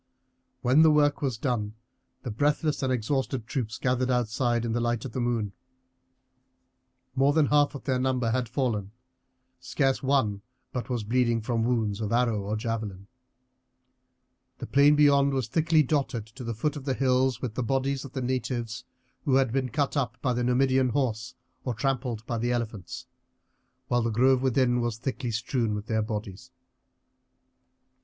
When the work was done the breathless and exhausted troops gathered outside, in the light of the moon. More than half their number had fallen; scarce one but was bleeding from wounds of arrow or javelin. The plain beyond was thickly dotted to the foot of the hills with the bodies of the natives who had been cut up by the Numidian horse or trampled by the elephants, while the grove within was thickly strewn with their bodies.